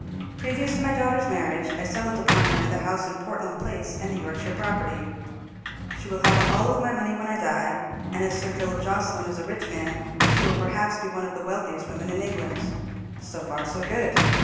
"Previous to my daughter's marriage I settled upon her the house in Portland Place and the Yorkshire property. She will have all my money when I die; and, as Sir Philip Jocelyn is a rich man, she will perhaps be one of the wealthiest women in England. So far so good.